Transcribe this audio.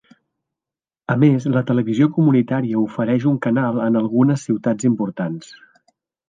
A més, la televisió comunitària ofereix un canal en algunes ciutats importants.